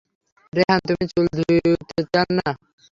রেহান তার চুল ধুতে চায় না।